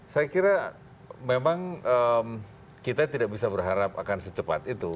saya kira memang kita tidak bisa berharap akan secepat itu